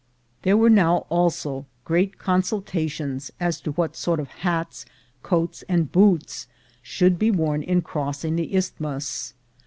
There were now also great consultations as to what sort of hats, coats, and boots, should be worn in cross ing the Isthmus.